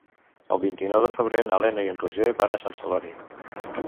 El vint-i-nou de febrer na Lena i en Roger van a Sant Celoni.